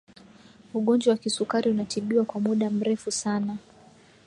ugonjwa wa kisukari unatibiwa kwa muda mrefu sana